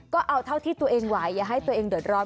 ก็เอาเท่าที่ตัวเองไหวอย่าให้ตัวเองเดือดร้อน